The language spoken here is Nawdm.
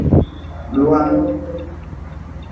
Lua-n.